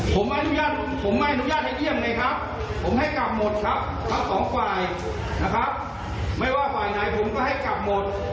เชิญกันครับ